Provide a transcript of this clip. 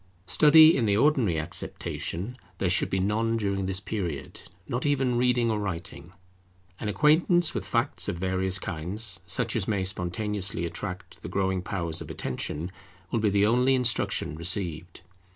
Study, in the ordinary acceptation, there should be none during this period, not even reading or writing. An acquaintance with facts of various kinds, such as may spontaneously attract the growing powers of attention, will be the only instruction received.